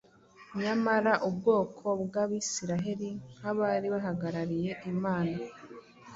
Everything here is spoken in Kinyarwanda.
Nyamara ubwoko bw’Abisiraheli nk’abari bahagarariye Imana,